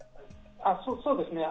そうですね。